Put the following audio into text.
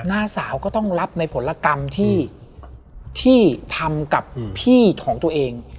หน้าสาวก็ต้องรับในผลกรรมที่ทำกับพี่ของตัวเอง